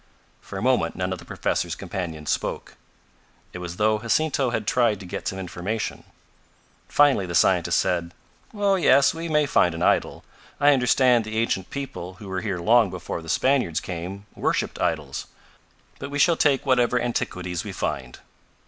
For a moment none of the professor's companions spoke. It was as though Jacinto had tried to get some information. Finally the scientist said: "Oh, yes, we may find an idol. I understand the ancient people, who were here long before the Spaniards came, worshiped idols. But we shall take whatever antiquities we find."